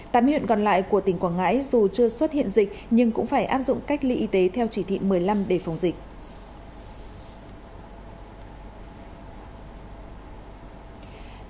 tám huyện còn lại của tỉnh quảng ngãi dù chưa xuất hiện dịch nhưng cũng phải áp dụng cách ly y tế theo chỉ thị một mươi năm để phòng dịch